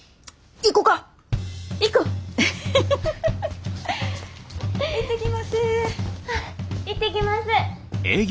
行ってきます！